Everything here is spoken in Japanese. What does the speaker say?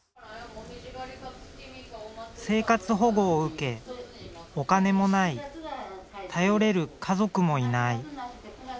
生活保護を受けお金もない頼れる家族もいない。